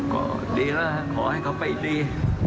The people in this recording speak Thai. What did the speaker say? ก็ดีแล้วขอให้เขาไปดี